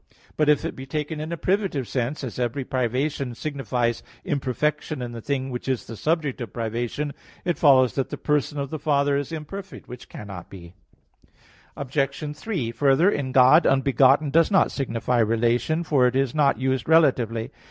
But if it be taken in a privative sense, as every privation signifies imperfection in the thing which is the subject of privation, it follows that the Person of the Father is imperfect; which cannot be. Obj. 3: Further, in God, "unbegotten" does not signify relation, for it is not used relatively.